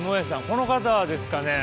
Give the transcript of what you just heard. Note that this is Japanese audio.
この方ですかね。